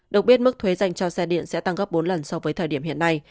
được biết mức thuế dành cho xe điện sẽ tăng gấp bốn lần so với thời điểm hiện nay